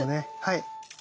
はい。